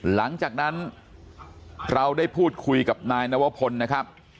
หลังจากนั้นเราได้พูดคุยกับนายนวพลนะครับ